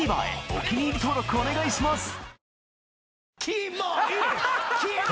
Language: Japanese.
お気に入り登録お願いします！